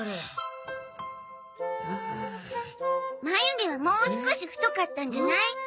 眉毛はもう少し太かったんじゃない？